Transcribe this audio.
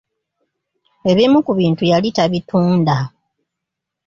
Ebimu ku bintu yali tabitunda.